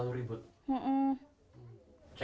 ya ribut terus